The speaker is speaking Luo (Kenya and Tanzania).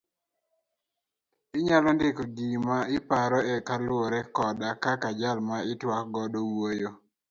Inyalo ndiko gima iparo e kaluowore koda kaka jal ma itwak godo wuoyo.